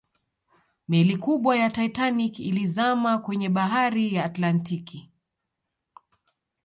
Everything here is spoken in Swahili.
Meli kubwa ya Titanic ilizama kwenye bahari ya Atlantic